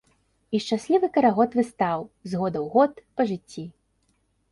І шчаслівы карагод выстаў, з года ў год, па жыцці.